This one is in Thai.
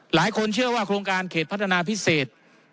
หลายคนเชื่อว่าโครงการเขตพัฒนาพิเศษ